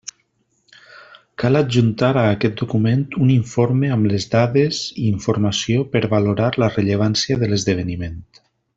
Cal adjuntar a aquest document un informe amb les dades i informació per valorar la rellevància de l'esdeveniment.